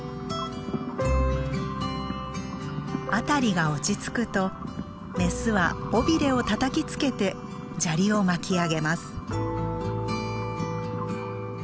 辺りが落ち着くとメスは尾びれをたたきつけて砂利を巻き上げます。